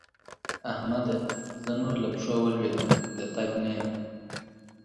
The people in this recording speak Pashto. احمده! زه نور له پښو ولوېدم - د تګ نه یم.